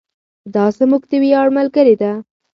دا زموږ د ویاړ ملګرې ده.